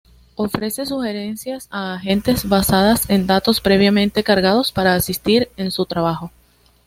Ofrece sugerencias a agentes, basadas en datos previamente cargados, para asistir en su trabajo.